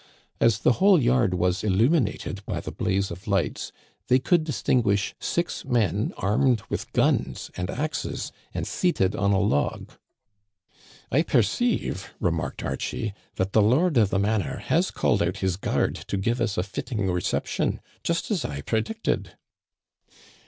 As the whole yard was illuminated by the blaze of lights, they could distin guish six men armed with guns and axes and seated on a log. *' I perceive," remarked Archie, " that the lord of the manor has called out his guard to give us a fitting re ception, just as I predicted."